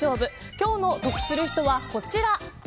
今日の得する人はこちら。